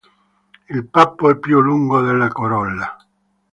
Il pappo è più lungo della corolla.